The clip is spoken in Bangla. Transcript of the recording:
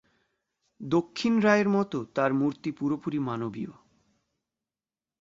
দক্ষিণ রায়ের মতো তার মূর্তি পুরোপুরি মানবীয়।